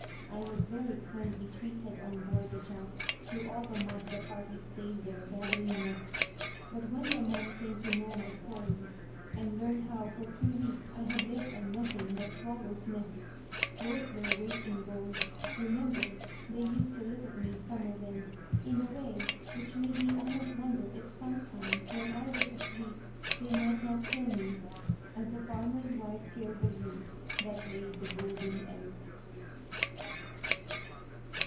I was very kindly treated on board the junk through all the month the party stayed there gathering nests, but when the men came to know my story, and learned how for two weeks I had lived on nothing but swallows' nests, worth their weight in gold, remember, they used to look at me, some of them, in a way which made me almost wonder if sometime when I was asleep they might not kill me, as the farmer's wife killed the goose that laid the golden egg.